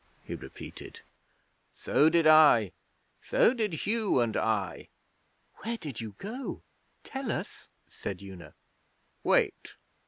he repeated. 'So did I so did Hugh and I.' 'Where did you go? Tell us,' said Una. 'Wait.